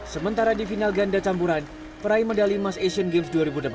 sementara di final ganda campuran peraih medali emas asian games dua ribu delapan belas